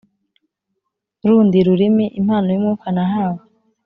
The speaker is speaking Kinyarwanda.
Rundi rurimi impano y umwuka nahawe